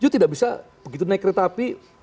dia tidak bisa begitu naik kereta api